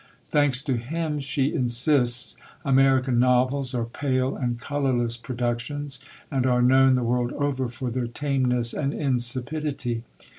Thanks to him, she insists, American novels are pale and colourless productions, and are known the world over for their tameness and insipidity.